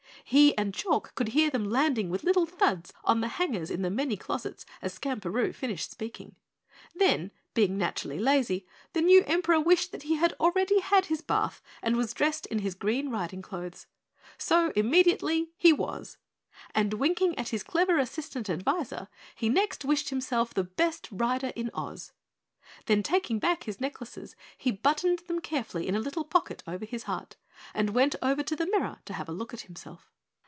He and Chalk could hear them landing with little thuds on the hangers in the many closets as Skamperoo finished speaking. Then, being naturally lazy, the new Emperor wished that he had already had his bath and was dressed in his green riding clothes. So, immediately he was, and winking at his clever assistant adviser, he next wished himself the best rider in Oz. Then, taking back his necklaces, he buttoned them carefully in a little pocket over his heart and went over to the mirror to have a look at himself.